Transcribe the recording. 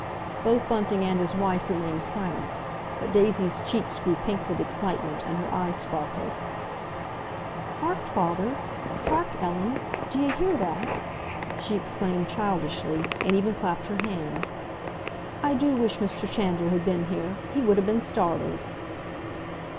Both Bunting and his wife remained silent, but Daisy's cheeks grew pink with excitement, and her eye sparkled. "Hark, father! Hark, Ellen! D'you hear that?" she exclaimed childishly, and even clapped her hands. "I do wish Mr. Chandler had been here. He would 'a been startled!"